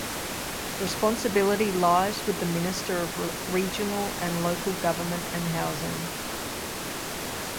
Responsibility lies with the Minister of Regional and Local Government and Housing.